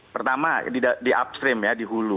pertama di upstream ya di hulu